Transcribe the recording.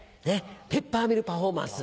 ペッパーミル・パフォーマンス。